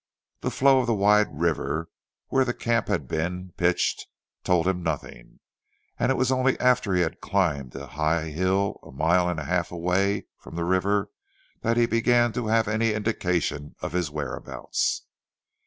The flow of the wide river where the camp had been pitched told him nothing, and it was only after he had climbed a high hill a mile and a half away from the river that he began to have any indication of his whereabouts.